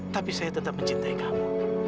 tapi saya tetap mencintai kamu